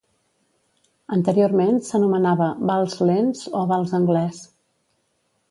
Anteriorment s'anomenava vals lents o vals anglès.